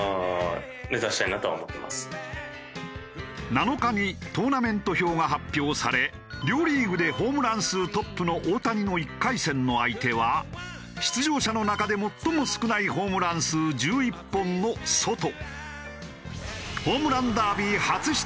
７日にトーナメント表が発表され両リーグでホームラン数トップの大谷の１回戦の相手は出場者の中で最も少ないホームラン数１１本のソト。